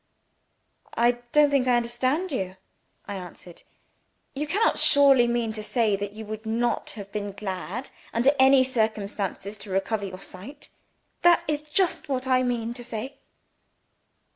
"I don't think I understand you," I answered. "You cannot surely mean to say that you would not have been glad, under any circumstances, to recover your sight?" "That is just what I do mean to say."